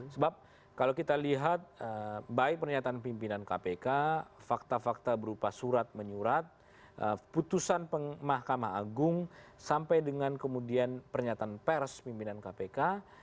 sebab kalau kita lihat baik pernyataan pimpinan kpk fakta fakta berupa surat menyurat putusan mahkamah agung sampai dengan kemudian pernyataan pers pimpinan kpk